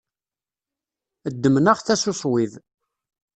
Ddmen aɣtas uṣwib.